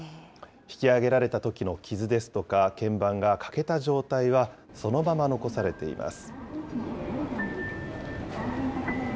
引き揚げられたときの傷ですとか、鍵盤が欠けた状態はそのまま残されています。